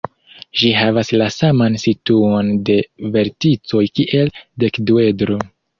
Ĝi havas la saman situon de verticoj kiel dekduedro.